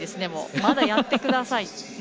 まだやってください。